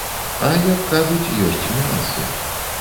А, як кажуць, ёсць нюансы.